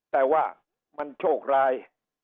แต่ว่ามันโชคร้าย